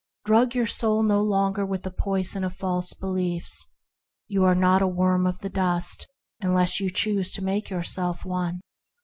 Drug your soul no longer with the poisons of false beliefs. You are not a worm of the dust unless you choose to make yourself one.